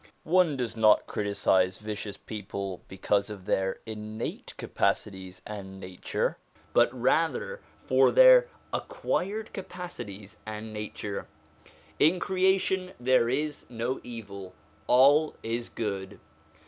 One does not criticise vicious people because of their innate capacities and nature, but rather for their acquired capacities and nature. In creation there is no evil; all is good.